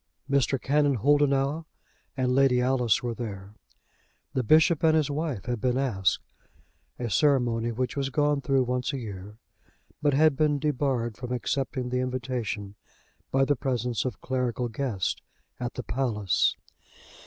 Mr. Canon Holdenough and Lady Alice were there. The bishop and his wife had been asked, a ceremony which was gone through once a year, but had been debarred from accepting the invitation by the presence of clerical guests at the palace.